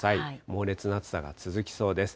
猛烈な暑さが続きそうです。